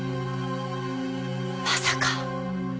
まさか！